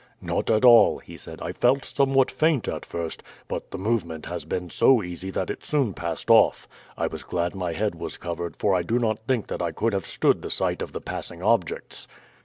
"Not at all," he said. "I felt somewhat faint at first, but the movement has been so easy that it soon passed off. I was glad my head was covered, for I do not think that I could have stood the sight of the passing objects."